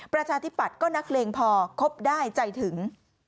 ประชาธิปัตย์ก็นักเลงพอคบได้ใจถึง